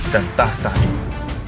dan tahta itu